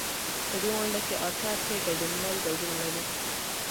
په دې غونډه کې اته اتیا ګډونوال ګډون لري.